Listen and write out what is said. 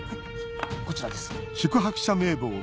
こちらです。